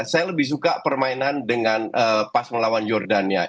saya lebih suka permainan dengan pas melawan jordania